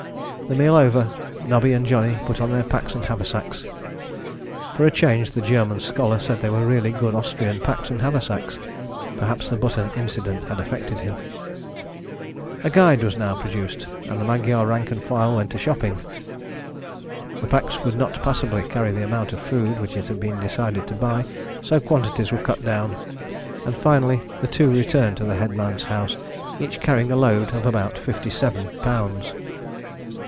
The meal over, Nobby and Johnny put on their packs and haversacks. For a change the German scholar said they were really good Austrian packs and haversacks: perhaps the button incident had affected him. A guide was now produced, and the Magyar rank and file went a shopping. The packs could not possibly carry the amount of food which it had been decided to buy, so quantities were cut down, and finally the two returned to the headman's house, each carrying a load of about 57 lbs.